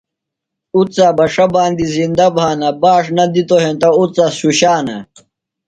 اُڅہ بݜہ باندیۡ زِندہ بھانہ۔ باݜ نہ دِتوۡ ہینتہ اُڅہ شُشانہ۔